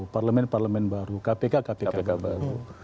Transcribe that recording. parlemen parlemen baru kpk kpk baru